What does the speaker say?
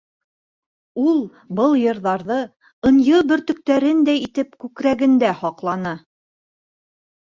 Ул был йырҙарҙы ынйы бөртөктәрендәй итеп күкрәгендә һаҡланы.